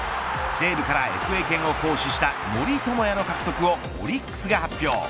西武からＦＡ権を行使した森友哉の獲得をオリックスが発表。